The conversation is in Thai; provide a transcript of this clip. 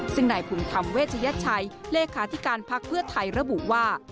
ซึ่งนายภูมิธรรมเวชยชัยเลขาธิการพักเพื่อไทยระบุว่า